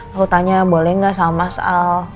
aku tanya boleh nggak sama mas al